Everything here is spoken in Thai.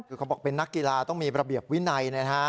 คือเขาบอกเป็นนักกีฬาต้องมีระเบียบวินัยนะฮะ